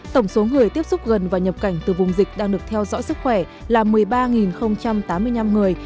tổng số người tiếp xúc gần và nhập cảnh từ vùng dịch đang được theo dõi sức khỏe là một mươi ba tám mươi năm người